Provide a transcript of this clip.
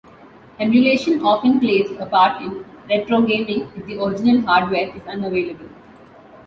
Emulation often plays a part in retrogaming if the original hardware is unavailable.